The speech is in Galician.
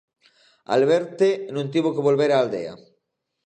Alberte non tivo que volver á aldea.